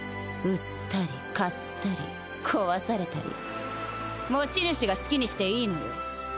売ったり買ったり壊されたり持ち主が好きにしていいのよ。